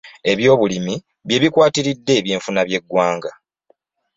Ebyobulimu bye bikwatiridde eby'enfuna by'eggwanga.